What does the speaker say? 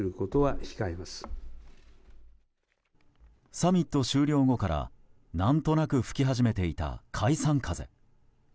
サミット終了後から何となく吹き始めていた解散風。